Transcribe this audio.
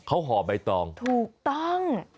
เขาห่อใบตองถูกต้อง